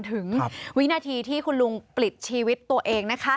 จนถึงวินาทีที่คุณลุงปลิดชีวิตตัวเอง